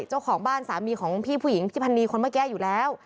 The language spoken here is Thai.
เจ้าของบ้านสามีของพี่ผู้หญิงพี่พันนีคนเมื่อกี้อยู่แล้ว